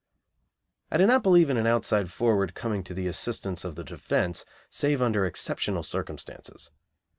I do not believe in an outside forward coming to the assistance of the defence, save under exceptional circumstances.